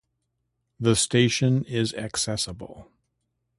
The station is accessible.